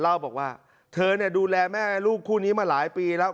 เล่าบอกว่าเธอดูแลแม่ลูกคู่นี้มาหลายปีแล้ว